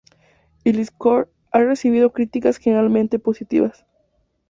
El "score" ha recibido críticas generalmente positivas.